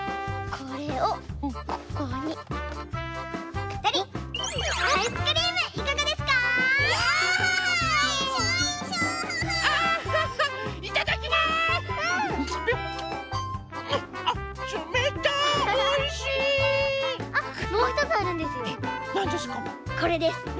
これです。